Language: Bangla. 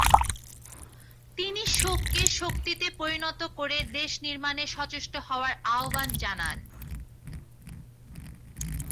তিনি শোককে শক্তিতে পরিণত করে দেশ নির্মাণে সচেষ্ট হওয়ার আহ্বান জানান।